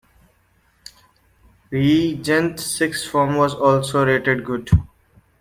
Regent Sixth Form was also rated "good".